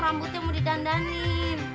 rambutnya mau didandanin